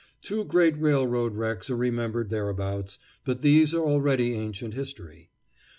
Two great railroad wrecks are remembered thereabouts, but these are already ancient history.